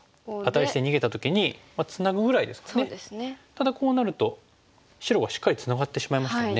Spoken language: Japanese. ただこうなると白がしっかりツナがってしまいましたよね。